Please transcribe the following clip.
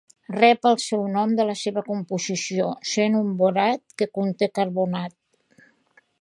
Rep el seu nom de la seva composició, sent un borat que conté carbonat.